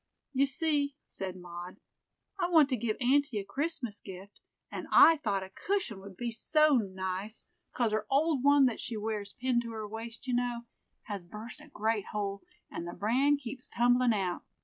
"You see," said Maud, "I want to give aunty a Christmas gift, and I thought a cushion would be so nice, 'cause her old one that she wears pinned to her waist, you know, has burst a great hole, and the bran keeps tumbling out.